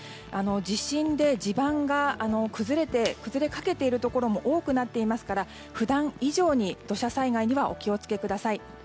地震で地盤が崩れかけているところも多くなっていますから普段以上に土砂災害にはお気を付けください。